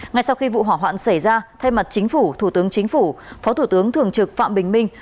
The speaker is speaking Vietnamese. ngay sau khi vụ hỏa hoạn xảy ra thay mặt chính phủ thủ tướng chính phủ phó thủ tướng thường trực phạm bình minh